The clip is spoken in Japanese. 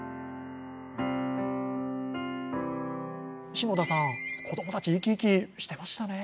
篠田さん、子どもたち生き生きしてましたね。